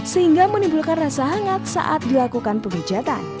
sehingga menimbulkan rasa hangat saat dilakukan pemijatan